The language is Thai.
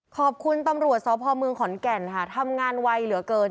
ขอบคุณตำรวจสพเมืองขอนแก่นค่ะทำงานไวเหลือเกิน